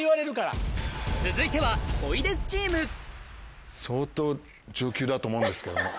続いては相当上級だと思うんですけど。